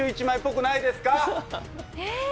２１枚っぽくないですか？